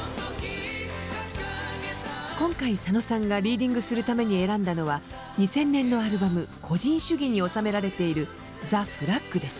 今回佐野さんがリーディングするために選んだのは２０００年のアルバム「個人主義」に収められている「ｔｈｅｆｌａｇ」です。